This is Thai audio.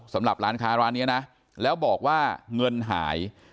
สำหรับร้านค้าร้านนี้นะแล้วบอกว่าเงินหาย